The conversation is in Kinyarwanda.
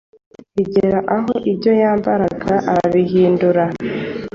bigera aho ibyo yambaraga arabihindura